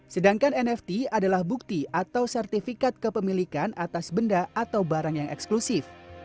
sedangkan nft adalah bukti atau sertifikat kepemilikan atas benda atau barang yang eksklusif